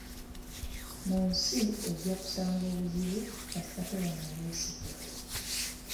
Mu nsi ojja kusanga obuzibu kasita toba na bwesigwa.